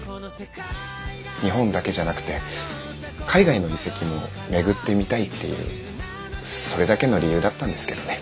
日本だけじゃなくて海外の遺跡も巡ってみたいっていうそれだけの理由だったんですけどね。